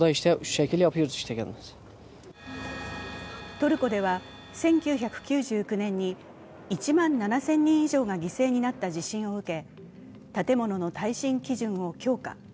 トルコでは１９９９年に１万７０００人以上が犠牲になった地震を受け、建物の耐震基準を強化。